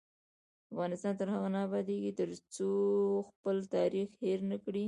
افغانستان تر هغو نه ابادیږي، ترڅو خپل تاریخ هیر نکړو.